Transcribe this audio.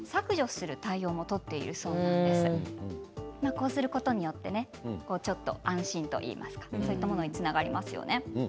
こうすることによってちょっと安心といいますかそういったものにつながりますよね。